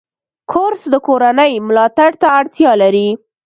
کورس د کورنۍ ملاتړ ته اړتیا لري.